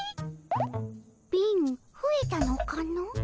貧ふえたのかの。